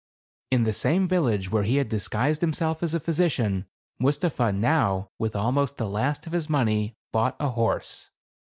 In the same village where he had disguised himself as a physician, Mustapha now with almost the last of his money bought a horse.